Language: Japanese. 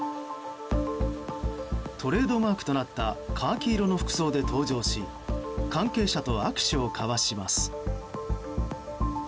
トレードマークとなったカーキ色の服装で登場し関係者と握手を交わします。